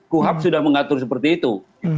kuhap sudah mengatur seperti itu